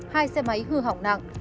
hai xe máy hư hỏng nát